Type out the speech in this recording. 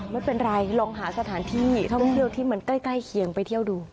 ไม่เป็นไรลองหาสถานที่ที่เกล้าเคียงไปเที่ยวดู